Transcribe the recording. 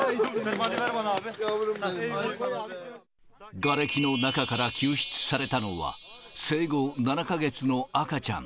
がれきの中から救出されたのは、生後７か月の赤ちゃん。